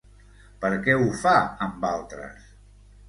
Per què ho fa amb altres?